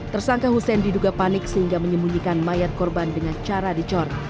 tersangka hussein diduga panik sehingga menyembunyikan mayat korban dengan cara dicor